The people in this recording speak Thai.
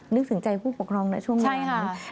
นึกถึงใจผู้ปกครองช่วงนี้หรอครับนี่ไหมครับพ่อใช่ค่ะ